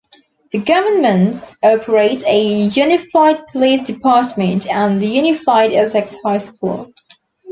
The governments operate a unified police department and the unified Essex High School.